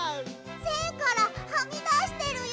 せんからはみだしてるよ！